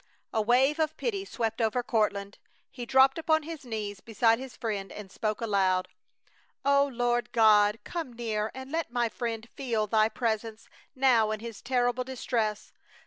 A wave of pity swept over Courtland. He dropped upon his knees beside his friend and spoke aloud: "O Lord God, come near and let my friend feel Thy Presence now in his terrible distress.